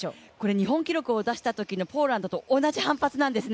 日本記録を出したときのポーランドと同じ反発なんです。